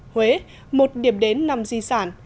huế một điểm đến nằm di sản